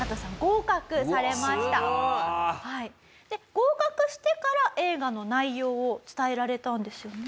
合格してから映画の内容を伝えられたんですよね？